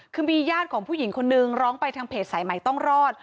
คือมีญาติของผู้หญิงคนนึงร้องไปทางเพจสายใหม่ต้องรอด